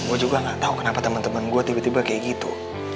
gue juga gak tau kenapa temen temen gue tiba tiba kayak gitu